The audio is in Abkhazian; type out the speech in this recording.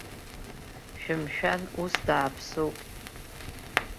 Шәымшәан, ус дааԥсоуп.